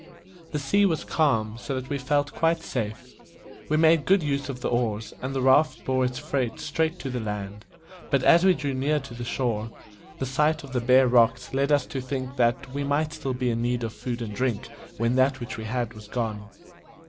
The sea was calm; so that we felt quite safe. We made good use of the oars, and the raft bore its freight straight to the land; but as we drew near to the shore the sight of the bare rocks led us to think that we might still be in need of food and drink when that which we had was gone.